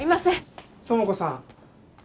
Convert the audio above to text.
友子さん。